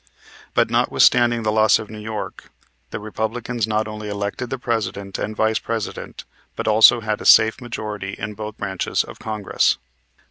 But, notwithstanding the loss of New York, the Republicans not only elected the President and Vice President, but also had a safe majority in both branches of Congress.